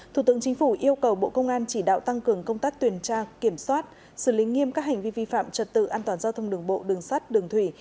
thủ tướng chính phủ yêu cầu bộ công an chỉ đạo tăng cường công tác tuyển tra kiểm soát xử lý nghiêm các hành vi vi phạm trật tự an toàn giao thông đường bộ đường sắt đường thủy